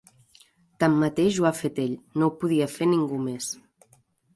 Tanmateix ho ha fet ell: no ho podia fer ningú més.